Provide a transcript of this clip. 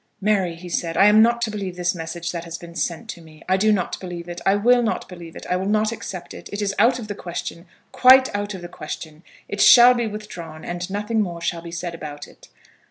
"Mary," he said, "I am not to believe this message that has been sent to me. I do not believe it. I will not believe it. I will not accept it. It is out of the question; quite out of the question. It shall be withdrawn, and nothing more shall be said about it."